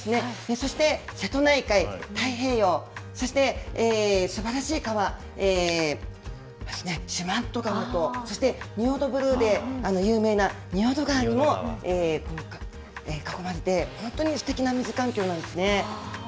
そして瀬戸内海、太平洋、そして、すばらしい川、四万十川と、そして仁淀ブルーで有名な仁淀川にも囲まれて、本当にすてきな水環境なんですね。